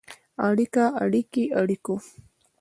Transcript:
اړیکه ، اړیکې، اړیکو.